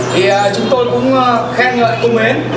thì chúng tôi cũng khen ngợi cô nguyễn